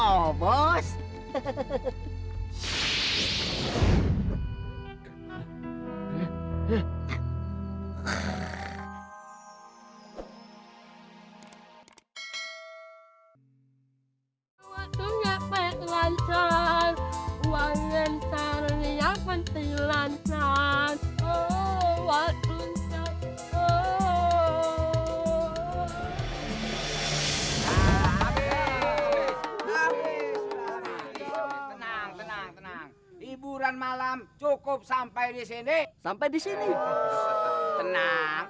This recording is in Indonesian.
habis habis habis tenang tenang tenang hiburan malam cukup sampai disini sampai disini tenang